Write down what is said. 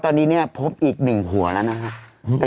ตอนนี้เนี่ยพบอีก๑หัวแล้วนะครับ